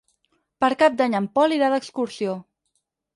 Per Cap d'Any en Pol irà d'excursió.